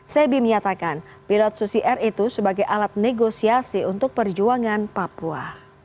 sebi menyatakan pilot susi air itu sebagai alat negosiasi untuk perjuangan papua